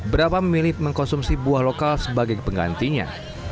berapa memilih mengkonsumsi buah lokal sebagai penggantinya